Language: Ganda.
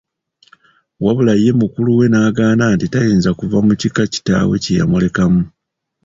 Wabula ye mukulu we n’agaana nti tayinza kuva mu kika kitaawe kye yamulekamu.